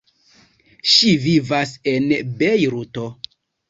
Ŝi vivas en Bejruto.